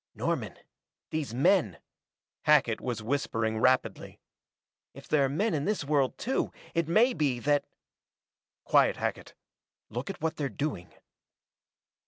"Norman these men " Hackett was whispering rapidly. "If there are men in this world too, it may be that " "Quiet, Hackett look at what they're doing."